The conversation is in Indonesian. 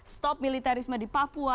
stop militarisme di papua